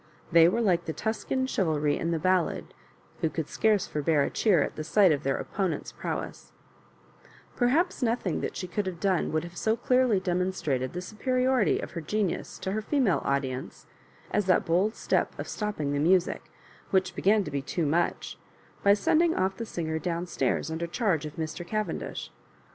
They were like the. TuscaD chivalry in the ballad, who could scarce forbear a cheer at the sight of their opponent's prowessw Perhaps nothing that she could have done would have 80 clearly demonstrated the superiority of her genius to her female audience as that bold step of stopping the music, which began to be too much, by sending off the singer down staira^ under charge of Mr. Cavendish.